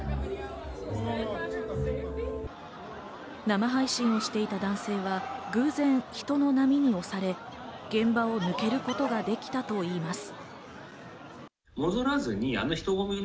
生配信をしていた男性は偶然、人の波に押され、現場を抜けることができたといいます。